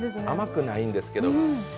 甘くないんですけど。